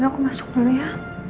aku masuk dulu ya